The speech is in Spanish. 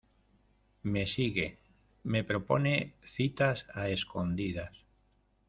me sigue, me propone citas a escondidas.